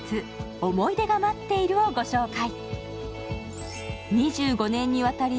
「おもいでがまっている」をご紹介。